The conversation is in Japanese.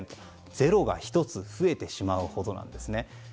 ０が１つ増えてしまうほどなんです。